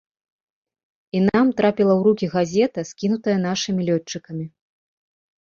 І нам трапіла ў рукі газета, скінутая нашымі лётчыкамі.